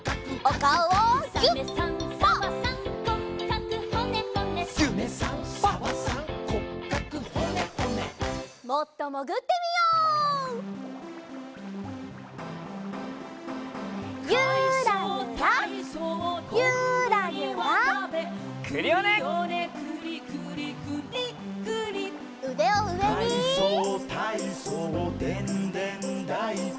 「かいそうたいそうでんでんだいこ」